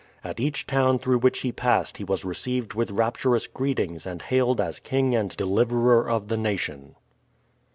At each town through which he passed he was received with rapturous greetings and hailed as king and deliverer of the nation.